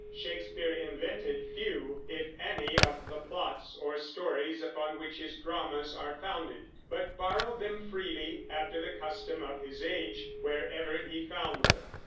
Shakespeare invented few, if any, of the plots or stories upon which his dramas are founded, but borrowed them freely, after the custom of his age, wherever he found them.